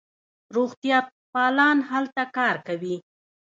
روغتیاپالان هلته کار کوي.